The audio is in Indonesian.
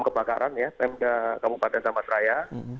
pem kebakaran ya pemda kabupaten darmas raya